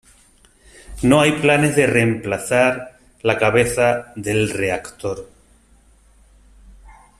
No hay planes de reemplazar la cabeza del reactor.